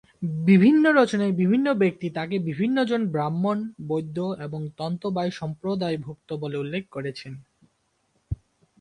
বিভিন্ন রচনায় বিভিন্ন ব্যক্তি তাকে বিভিন্ন জন ব্রাহ্মণ, বৈদ্য এবং তন্তুবায় সম্প্রদায়ভুক্ত বলে উল্লেখ করেছেন।